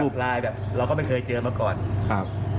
ผิวแบบลายแบบเราก็ไม่เคยเจอมาก่อนครับแบบ